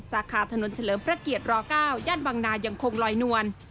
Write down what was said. สาขาถนนเฉลิมพระเกียร๙ย่านบางนายังคงลอยนวล